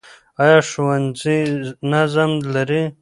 ایا ښوونځي نظم لري؟